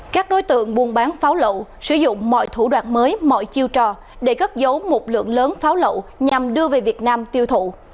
các đối tượng buôn bán pháo lậu sử dụng mọi thủ đoạn mới mọi chiêu trò để cất giấu một lượng lớn pháo lậu nhằm đưa về việt nam tiêu thụ